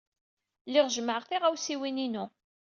Lliɣ jemmɛeɣ tiɣawsiwin-inu.